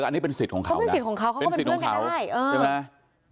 อันนี้เป็นสิทธิ์ของเขาเป็นสิทธิ์ของเขาก็เป็นเพื่อนกันได้